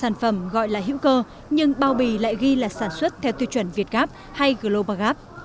sản phẩm gọi là hữu cơ nhưng bao bì lại ghi là sản xuất theo tiêu chuẩn việt gap hay global gap